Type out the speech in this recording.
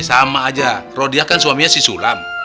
sama aja rodiah kan suaminya si sulam